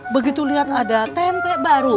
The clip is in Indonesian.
begitu lihat ada tempe baru